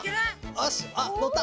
よしあっのった！